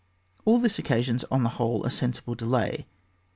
All this occasions on the whole a sensible delay.